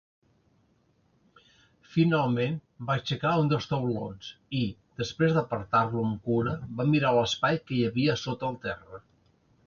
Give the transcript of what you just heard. Finalment, va aixecar un dels taulons i, desprès d'apartar-lo amb cura, va mirar a l'espai que hi havia sota el terra.